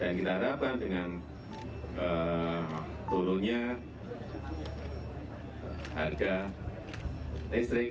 dan kita harapkan dengan turunnya harga listrik